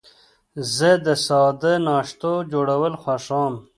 زه د ساده ناشتو جوړول خوښوم.